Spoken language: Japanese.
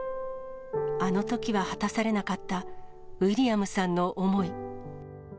あのときは果たされなかったウィリアムさんの思い。